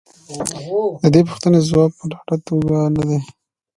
د دې پوښتنې ځواب په ډاډه توګه نه دی.